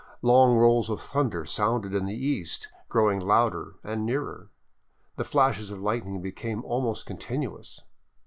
Long rolls of thunder sounded in the east, growing louder and nearer. The flashes of lightning became almost continuous.